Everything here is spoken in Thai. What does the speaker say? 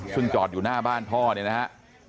ซึ่งจอดอยู่หน้าบ้านพ่อเนี่ยนะฮะ